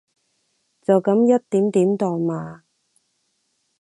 就噉一點點代碼